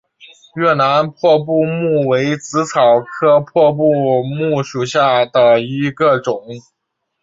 越南破布木为紫草科破布木属下的一个种。